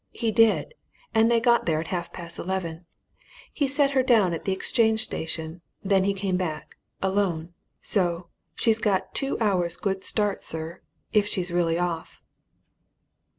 He did they got there at half past eleven: he set her down at the Exchange Station. Then he came back alone. So she's got two hours' good start, sir if she really is off!"